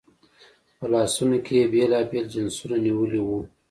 په لاسونو کې یې بېلابېل جنسونه نیولي وو.